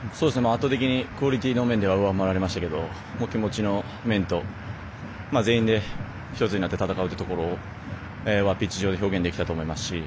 圧倒的にクオリティーの面では上回られましたけど気持ちの面と全員で戦うというところピッチ上で表現できたと思います。